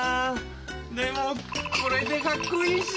でもこれかっこいいし